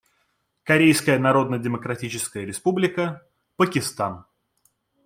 Корейская Народно-Демократическая Республика, Пакистан.